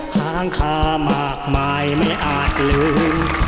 ค้างคามากมายไม่อาจลืม